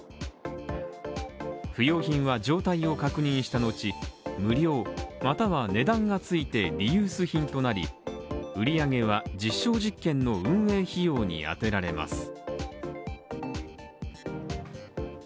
不用品は状態を確認した後、無料または値段がついてリユース品となり売り上げは実証実験の運営費用に充てられます。